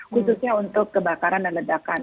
khususnya untuk kebakaran dan ledakan